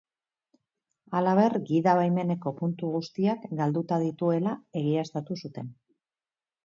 Halaber, gidabaimeneko puntu guztiak galduta dituela egiaztatu zuten.